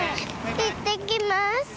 いってきます。